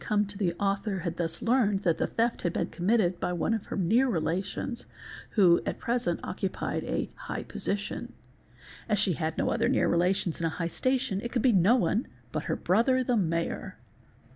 come to the author had thus learned that the theft had been committed by one of her near relations who at present occupied a " high position." As she had ~ no other near relation in a high station it could be no one but her brother the Mayor.